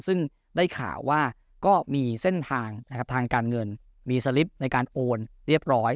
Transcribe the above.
ซึ่งได้ข่าวว่าก็มีเส้นทางนะครับทางการเงินมีสลิปในการโอนเรียบร้อย